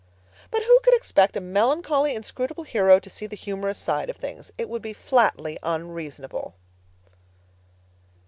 But who could expect a melancholy, inscrutable hero to see the humorous side of things? It would be flatly unreasonable.